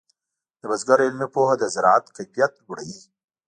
د بزګر علمي پوهه د زراعت کیفیت لوړوي.